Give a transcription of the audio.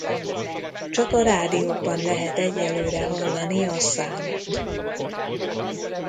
Csak a rádiókban lehet egyelőre hallani a számot.